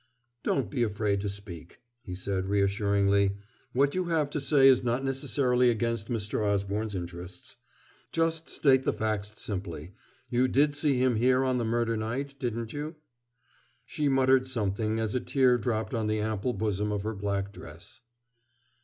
"Don't be afraid to speak," he said reassuringly. "What you have to say is not necessarily against Mr. Osborne's interests. Just state the facts simply you did see him here on the murder night, didn't you?" She muttered something, as a tear dropped on the ample bosom of her black dress.